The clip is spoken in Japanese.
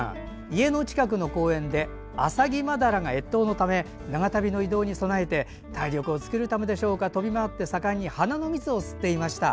家の近くの公園でアサギマダラが越冬のため長旅の移動に備えて体力を作るため飛び回って盛んに花の蜜を吸っていました。